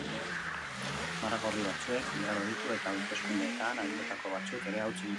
Marra gorri batzuek igaro ditu eta hauteskundeetan agindutako batzuk ere hautsi ditu.